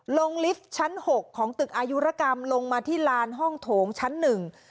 ลิฟต์ชั้นหกของตึกอายุรกรรมลงมาที่ลานห้องโถงชั้นหนึ่ง